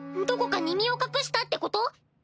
どこかに身を隠したってこと？